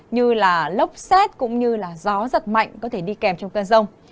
như là lốc xét cũng như là gió giật mạnh có thể đi kèm trong cơn rông